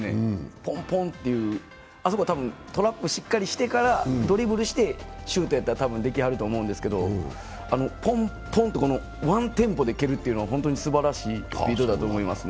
ポンポンっていう、あそこはトラップをしっかりしてからドリブルしてシュートやったら、多分できはると思うんですけど、ポン、ポンとワンテンポでいけるというのは本当にすばらしいスピードだと思いますね。